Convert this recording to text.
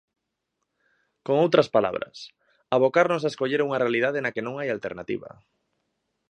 Con outras palabras: abocarnos a escoller unha realidade na que non hai alternativa.